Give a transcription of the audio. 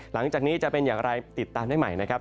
หลังจากนี้จะเป็นอย่างไรติดตามได้ใหม่นะครับ